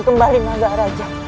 kembali maga raja